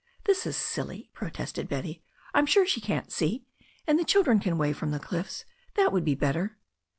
"This is silly," protested Betty. "I'm sure she can't see, and the children can wave from the cliffs; that would be better."